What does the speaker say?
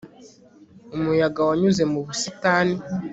Umuyaga wanyuze mu busitani